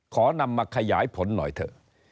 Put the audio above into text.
ขอนำมาขยายผลหน่อยเถอะ